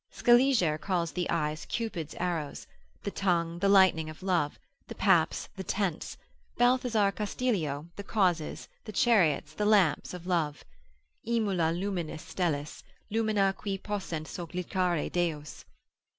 Scaliger calls the eyes, Cupid's arrows; the tongue, the lightning of love; the paps, the tents: Balthazar Castilio, the causes, the chariots, the lamps of love, ———aemula lumina stellis, Lumina quae possent sollicitare deos.